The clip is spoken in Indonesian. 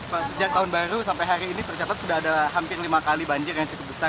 pak sejak tahun baru sampai hari ini tercatat sudah ada hampir lima kali banjir yang cukup besar